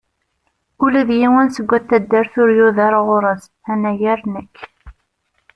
Ula d yiwen seg at taddart ur yuder ɣur-s, anagar nekk.